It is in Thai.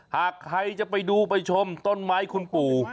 หากใครจะไปดูไปชมต้นไม้คุณปู่